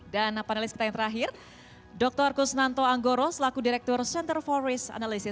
dan panelis kita yang terakhir doktor kusnanto anggoro selaku direktur center for risk analysis